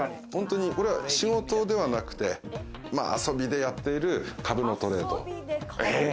仕事ではなくて、遊びでやっている株のトレード。